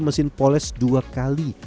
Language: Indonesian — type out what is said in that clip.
mesin poles dua kali